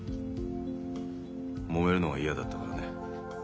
もめるのが嫌だったからね。